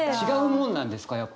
違うものなんですか？